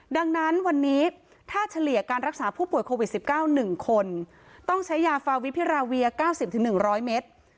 ดังนั้นวันนี้ถ้าเฉลี่ยการรักษาผู้ป่วยโควิด๑๙๑คนต้องใช้ยาฟาวิพิราเวีย๙๐๑๐๐เมตร